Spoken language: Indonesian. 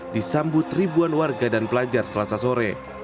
disambut ribuan warga dan pelajar selasa sore